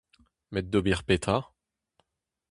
Met d'ober petra ?